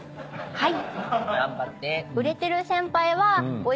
はい。